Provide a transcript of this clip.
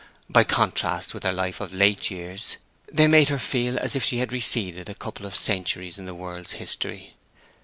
By contrast with her life of late years they made her feel as if she had receded a couple of centuries in the world's history.